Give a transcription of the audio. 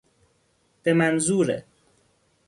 به منظور...